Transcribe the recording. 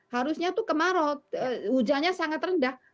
harusnya itu kemarau hujannya sangat rendah